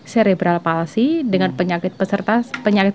serebral palsi dengan penyakit